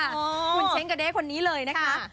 คุณเช้งกระเด้คนนี้เลยนะคะ